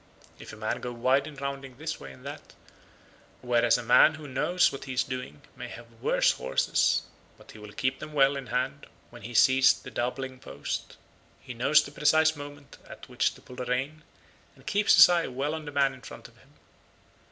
If a man go wide in rounding this way and that, whereas a man who knows what he is doing may have worse horses, but he will keep them well in hand when he sees the doubling post; he knows the precise moment at which to pull the rein, and keeps his eye well on the man in front of him.